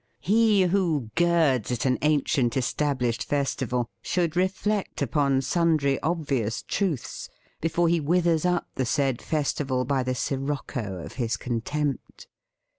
He who girds at an ancient estab lished festival should reflect upon sun dry obvious truths before he withers up the said festival by the sirocco of his THE FEAST OF ST FRIEND contempt.